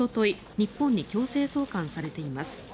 日本に強制送還されています。